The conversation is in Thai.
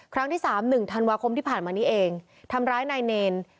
ครั้งที่สามหนึ่งธันวาคมที่ผ่านมานี้เองทำร้ายนายเนร